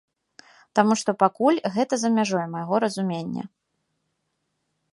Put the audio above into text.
Таму што пакуль гэта за мяжой майго разумення.